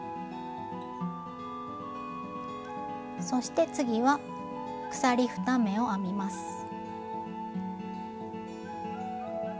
そして次は鎖２目を編みます。